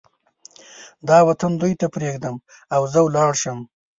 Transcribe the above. دا وطن دوی ته پرېږدم او زه ولاړ شم.